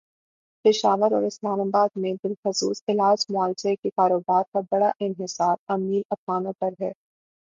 پشاور اور اسلام آباد میں بالخصوص علاج معالجے کے کاروبارکا بڑا انحصارامیر افغانوں پر ہے۔